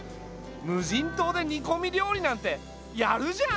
無人島で煮こみ料理なんてやるじゃん！